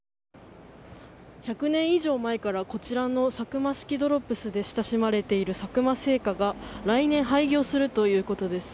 １００年以上前からこちらのサクマ式ドロップスで親しまれている佐久間製菓が来年廃業するということです。